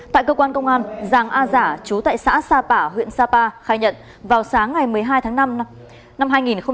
tại cơ quan công an giàng a giả chú tại xã sapa huyện sapa khai nhận vào sáng ngày một mươi hai tháng năm năm hai nghìn hai mươi ba